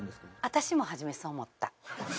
私もはじめそう思った。